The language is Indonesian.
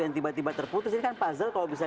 yang tiba tiba terputus ini kan puzzle kalau bisa